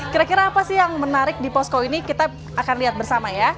kira kira apa sih yang menarik di posko ini kita akan lihat bersama ya